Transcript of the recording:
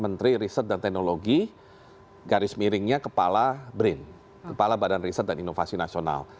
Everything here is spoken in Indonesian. menteri riset dan teknologi garis miringnya kepala brin kepala badan riset dan inovasi nasional